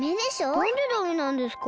なんでダメなんですか？